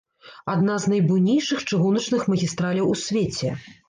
Адна з найбуйнейшых чыгуначных магістраляў у свеце.